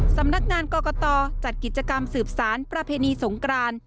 สำนักงานกรกตจัดกิจกรรมสืบสารประเพณีสงกราน